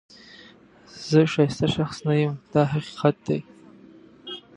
زه ښایسته شخص نه یم دا حقیقت دی.